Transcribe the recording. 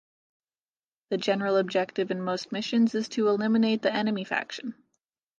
The general objective in most missions is to eliminate the enemy faction.